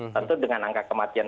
tentu dengan angka kematian